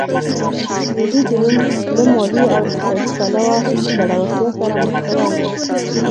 لوېدیځ روم له مالي او اقتصادي پلوه ځوړتیا سره مخ شوی و.